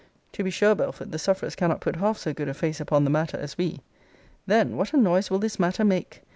To be sure, Belford, the sufferers cannot put half so good a face upon the matter as we. Then what a noise will this matter make!